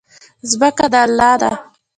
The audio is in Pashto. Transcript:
ځمکه د الله ده.